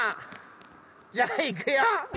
じゃあいくよ！